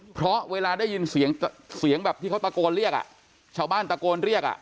เพราะเวลาได้ยินเสียงเสียงแบบที่เขาตะโกนเรียกอ่ะชาวบ้านตะโกนเรียกอ่ะ